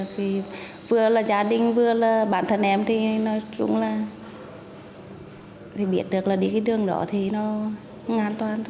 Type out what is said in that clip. vì vừa là gia đình vừa là bản thân em thì nói chung là biết được là đi cái đường đó thì nó an toàn